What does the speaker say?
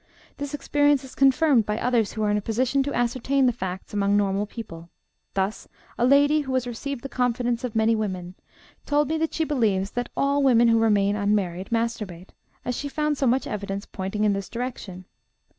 This experience is confirmed by others who are in a position to ascertain the facts among normal people; thus a lady, who has received the confidence of many women, told me that she believes that all women who remain unmarried masturbate, as she found so much evidence pointing in this direction.